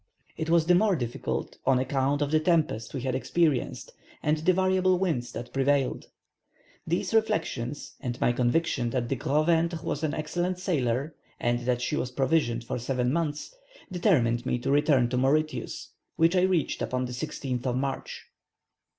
It was the more difficult on account of the tempest we had experienced, and the variable winds that prevailed. These reflections and my conviction that the Gros ventre was an excellent sailer, and that she was provisioned for seven months, determined me to return to Mauritius, which I reached upon the 16th of March."